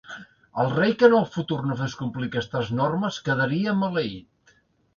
El rei que en el futur no fes complir aquestes normes quedaria maleït.